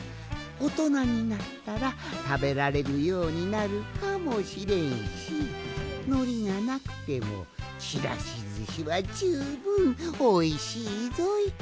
おとなになったらたべられるようになるかもしれんしのりがなくてもちらしずしはじゅうぶんおいしいぞい！